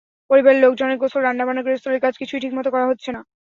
পরিবারের লোকজনের গোসল, রান্নাবান্না, গৃহস্থালি কাজ কিছুই ঠিকমতো করা যাচ্ছে না।